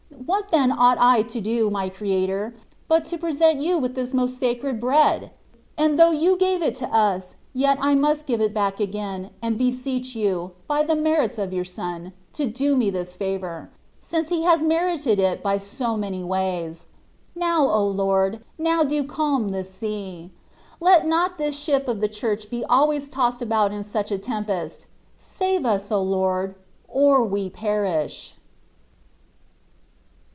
f What then ought I to do, my Creator ! but to present You with this most Sacred Bread ? And though You gave it to us, yet I must give it back again, and beseech You, by the merits of Your Son, to do me this favour, since He has merited it by so many ways. Now, O Lord ! now do calm this sea. J Let not this Ship of the Church be always tossed about in such a tempest :§ save us, O Lord, or we perish